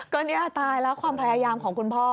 ก็เนี่ยตายแล้วความพยายามของคุณพ่อ